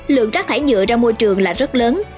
lượng rác thải nhựa ra môi trường là rất lớn